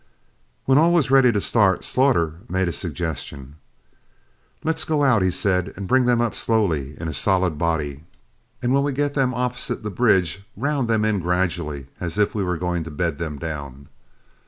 When all was ready to start, Slaughter made a suggestion. "Let's go out," he said, "and bring them up slowly in a solid body, and when we get them opposite the bridge, round them in gradually as if we were going to bed them down.